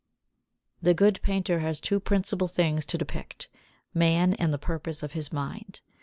73. The good painter has two principal things to depict: man and the purpose of his mind.